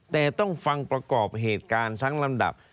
แต่ต้องฟังประกอบเหตุการณ์ทั้งลำดับ